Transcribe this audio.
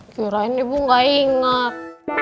kirain ibu gak inget